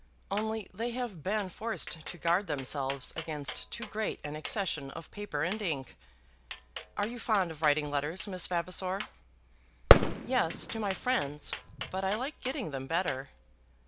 Only they have been forced to guard themselves against too great an accession of paper and ink. Are you fond of writing letters, Miss Vavasor?" "Yes, to my friends; but I like getting them better."